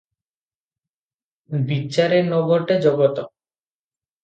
ବିଚାରେ ନ ଘଟେ ଜଗତ।